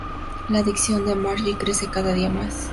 La adicción de Marge crece cada día más.